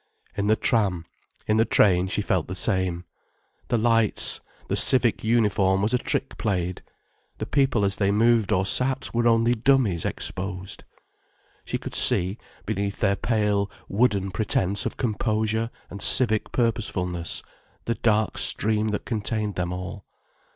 In the tram, in the train, she felt the same. The lights, the civic uniform was a trick played, the people as they moved or sat were only dummies exposed. She could see, beneath their pale, wooden pretence of composure and civic purposefulness, the dark stream that contained them all.